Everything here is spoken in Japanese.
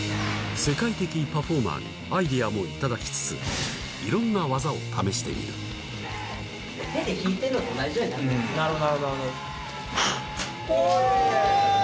世界的パフォーマーにアイデアもいただきつつ色んな技を試してみるおっ！